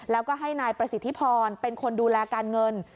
แล้วก็ให้นายประสิทธิพรเป็นคนดูแลการเงิน